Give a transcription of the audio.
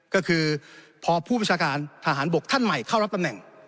ก็คือพอผู้ประชาการทหารบกท่านใหม่เข้ารับตำแหน่ง